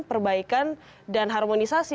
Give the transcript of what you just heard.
perbaikan dan harmonisasi